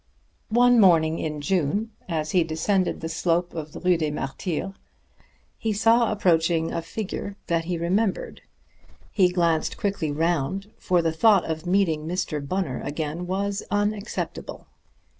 One morning in June, as he descended the slope of the Rue des Martyrs, he saw approaching a figure that he remembered. He glanced quickly round, for the thought of meeting Mr. Bunner again was unacceptable.